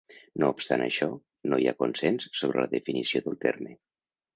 No obstant això, no hi ha consens sobre la definició del terme.